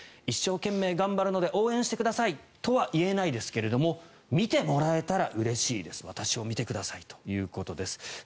一生懸命頑張るので応援してくださいとは言えないですけれど見てもらえたらうれしいです私を見てくださいということです。